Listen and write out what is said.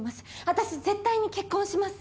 私絶対に結婚します！